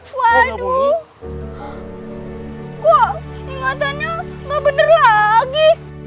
waduh ingatannya gak bener lagi